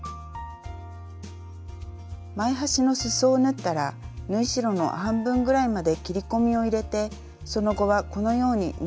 前端のすそを縫ったら縫い代の半分ぐらいまで切り込みを入れてその後はこのように縫い代を切っておきましょう。